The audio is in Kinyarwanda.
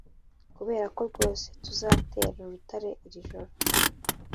'kuberako rwose tuzatera urutare iri joro